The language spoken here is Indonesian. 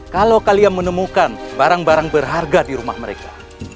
jika banyak barang berharga di rumah mereka